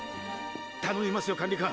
頼みますよ管理官！